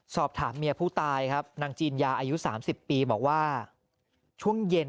สอบถามเมียผู้ตายครับนางจีนยาอายุ๓๐ปีบอกว่าช่วงเย็น